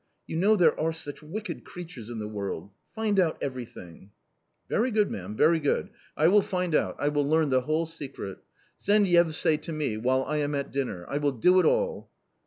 You know there are such wicked creatures in the world .... find out everything." " Very good, ma'am, very good : I will find out, I will A COMMON STORY 249 learn the whole secret. Send Yevsay to me, while I am at dinner .... I will do it all